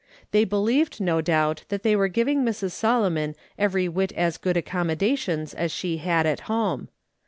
They II believed, no doubt, that tliey were giving Mrs. Solo mon every wliit as good accommodations as she had at home.